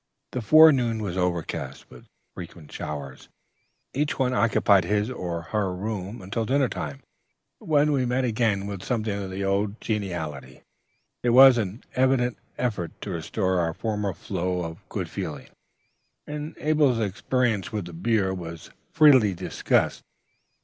"The forenoon was overcast, with frequent showers. Each one occupied his or her room until dinner time, when we met again with something of the old geniality. There was an evident effort to restore our former flow of good feeling. Abel's experience with the beer was freely discussed.